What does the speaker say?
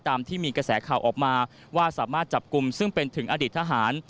ตามที่มีกระแสข่าวออกมาว่าสามารถจับกลุ่มซึ่งเป็นถึงอดีตทหาร